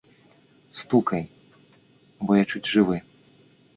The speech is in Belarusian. Стукай, бо я чуць жывы!